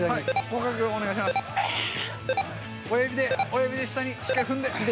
親指で下にしっかり踏んで。